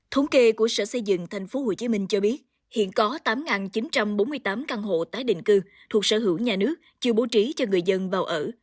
thống kê của sở xây dựng tp hcm cho biết hiện có tám chín trăm bốn mươi tám căn hộ tái định cư thuộc sở hữu nhà nước chưa bố trí cho người dân vào ở